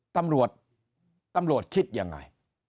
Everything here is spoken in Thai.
ตำรวจตำรวจคิดยังไง